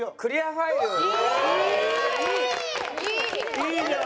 いいじゃん。